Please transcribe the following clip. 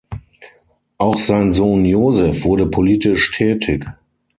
Auch sein Sohn Josef wurde politisch tätig.